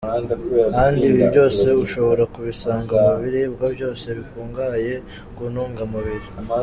Kandi ibi byose ushobora kubisanga mu biribwa byose bikungahaye ku ntungamubiri.